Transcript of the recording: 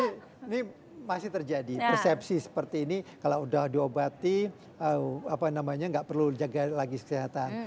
ini masih terjadi persepsi seperti ini kalau sudah diobati apa namanya nggak perlu dijaga lagi kesehatan